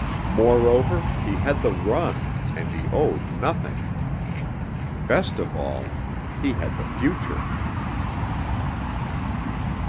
Moreover, he had the run and he owed nothing. Best of all he had the future.